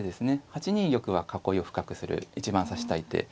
８二玉は囲いを深くする一番指したい手。